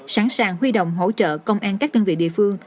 sẵn sàng huy động hỗ trợ công an các đơn vị địa phương